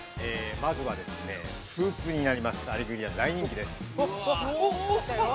まずは、フープになります、アレグリア、大人気です。